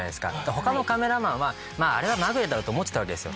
他のカメラマンはあれはまぐれだろと思ってたわけですよ。